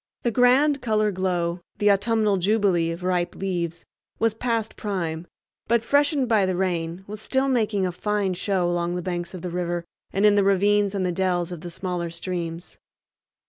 The grand color glow—the autumnal jubilee of ripe leaves—was past prime, but, freshened by the rain, was still making a fine show along the banks of the river and in the ravines and the dells of the smaller streams.